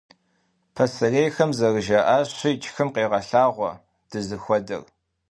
Пасэрейхэм зэрыжаӀащи, «тшхым къегъэлъагъуэ дызыхуэдэр».